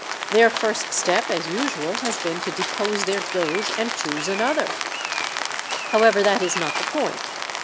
Their first step, as usual, has been to depose their doge and choose another. "However, that is not the point.